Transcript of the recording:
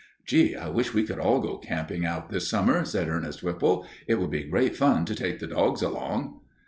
"Gee, I wish we could all go camping out this summer," said Ernest Whipple. "It would be great fun to take the dogs along."